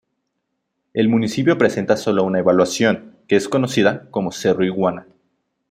El municipio presenta sólo una elevación, que es conocida como "Cerro Iguana".